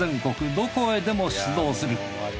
どこへでも出動する。